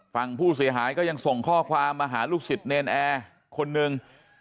ฝั่งผู้เสียหายก็ยังส่งข้อความมาหาลูกศิษย์เนรนแอร์คนหนึ่ง